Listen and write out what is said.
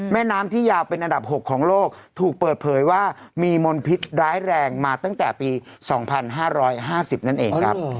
แม่น้ำที่ยาวเป็นอันดับ๖ของโลกถูกเปิดเผยว่ามีมลพิษร้ายแรงมาตั้งแต่ปี๒๕๕๐นั่นเองครับ